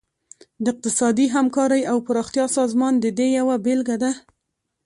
د اقتصادي همکارۍ او پراختیا سازمان د دې یوه بیلګه ده